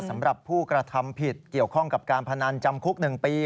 สำหรับผู้กระทำผิดเกี่ยวข้องกับการพนันจำคุก๑ปี